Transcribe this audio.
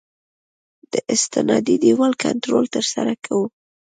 د استنادي دیوال کنټرول ترسره کوو